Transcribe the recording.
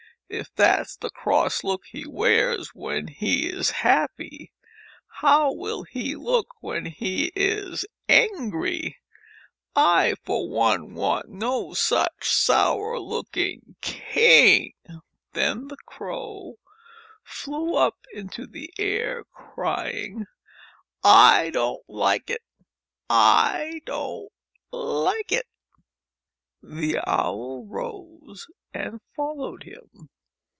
If that's the cross look he wears when he is happy, how will he look when he is angry? I, for one, want no such sour looking king !" Then the Crow flew up into the air crying, "I don't 91 JATAKA TALES like it ! I don't like it !" The Owl rose and followed him.